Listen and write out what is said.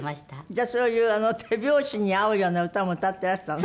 じゃあそういう手拍子に合うような歌も歌ってらしたの？